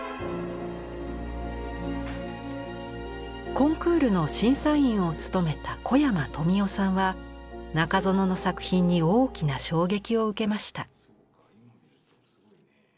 コンクールの審査員を務めた小山登美夫さんは中園の作品に大きな衝撃を受けました。